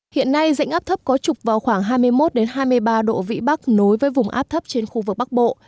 hiện nay rãnh áp thấp có trục vào khoảng hai mươi một hai mươi ba độ vĩ bắc nối với vùng áp thấp trên khu vực bắc bộ